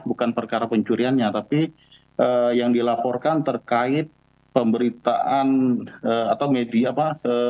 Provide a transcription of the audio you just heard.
bukan perkara pencuriannya tapi yang dilaporkan terkait pemberitaan atau media apa